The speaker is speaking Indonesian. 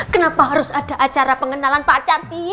kenapa harus ada acara pengenalan pacar sih